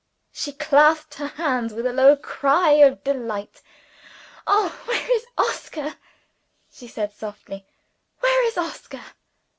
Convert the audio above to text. She clasped her hands, with a low cry of delight. "Oh, where is Oscar?" she said softly. "Where is Oscar?"